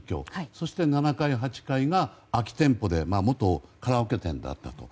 そして、７階、８階が空き店舗で元カラオケ店だったと。